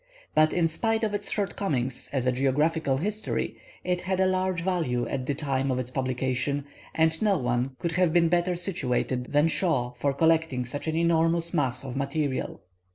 But in spite of its shortcomings as a geographical history, it had a large value at the time of its publication, and no one could have been better situated than Shaw for collecting such an enormous mass of material.